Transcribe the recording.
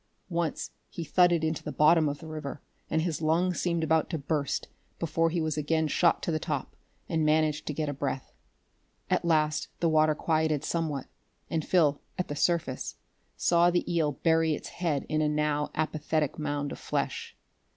Once he thudded into the bottom of the river, and his lungs seemed about to burst before he was again shot to the top and managed to get a breath. At last the water quieted somewhat, and Phil, at the surface, saw the eel bury its head in a now apathetic mound of flesh.